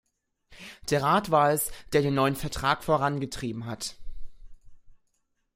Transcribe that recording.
Der Rat war es, der den neuen Vertrag vorangetrieben hat.